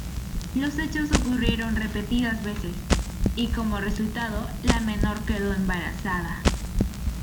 Los hechos ocurrieron repetidas veces y como resultado la menor quedó embarazada.